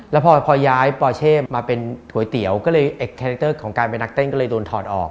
แล้วพอย้ายปอเช่มาเป็นก๋วยเตี๋ยวก็เลยคาแรคเตอร์ของการเป็นนักเต้นก็เลยโดนถอดออก